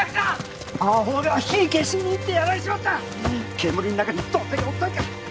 煙の中にどんだけおったんか。